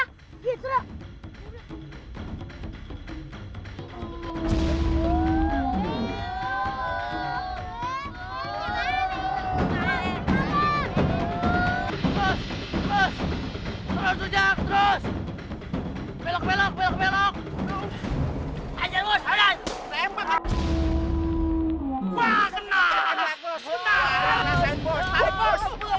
hai jokowi terus terus belok belok belok belok aja terus